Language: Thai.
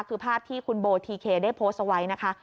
คือภาพที่คุณโบทีเคได้โพสต์เอาไว้นะคะ